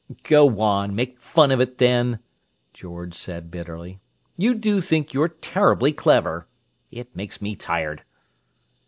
"Go on, make fun of it, then!" George said bitterly. "You do think you're terribly clever! It makes me tired!"